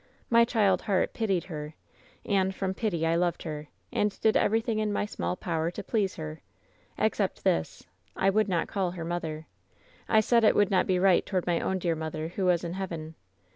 My child heart pitied her, and from pity I loved her ; and did everything in my small power to please her ; except this — I would not call her mother. I said it would not be right toward my own dear mother, who was in heaven.